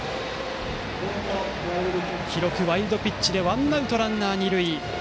記録、ワイルドピッチでワンアウトランナー、二塁。